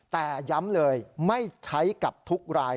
แต่ย้ำเลยไม่ใช้กับทุกราย